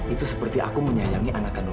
itu seperti aku menyayangi anakanku sendiri